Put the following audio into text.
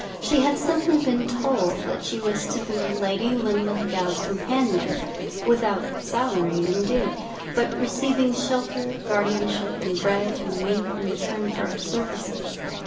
She had simply been told that she was to be Lady Linlithgow's companion, without salary, indeed, but receiving shelter, guardianship, and bread and meat in return for her services.